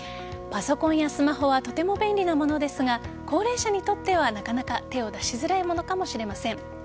パソコンやスマホはとても便利なものですが高齢者にとってはなかなか手を出しづらいものかもしれません。